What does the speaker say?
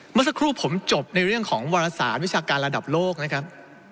เมื่อสักครู่ผมจบในเรื่องของวารสารวิชาการระดับโลกนะครับ